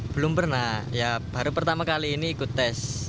belum pernah ya baru pertama kali ini ikut tes